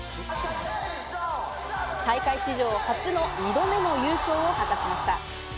大会史上初の２度目の優勝を果たしました。